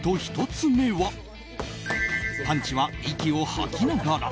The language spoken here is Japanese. １つ目はパンチは息を吐きながら。